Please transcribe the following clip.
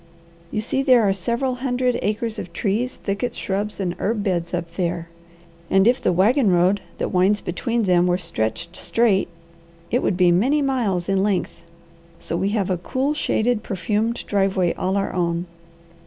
You see there are several hundred acres of trees, thickets, shrubs, and herb beds up there, and if the wagon road that winds between them were stretched straight it would be many miles in length, so we have a cool, shaded, perfumed driveway all our own.